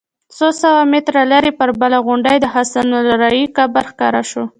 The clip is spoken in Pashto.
څو سوه متره لرې پر بله غونډۍ د حسن الراعي قبر ښکاره شو.